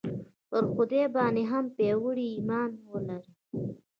پر خدای باندې هم پیاوړی ایمان ولرئ